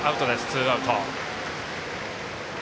ツーアウト。